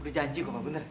udah janji kok pak benar